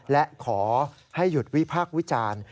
และขอให้หยุดวิพากษ์วิจารณ์